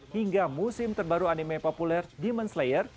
hingga musim terbaru anime populer demon slayer